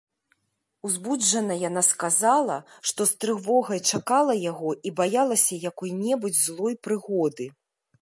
Узбуджана яна сказала, што з трывогай чакала яго і баялася якой-небудзь злой прыгоды.